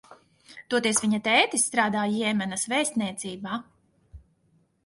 Toties viņa tētis strādā Jemenas vēstniecībā.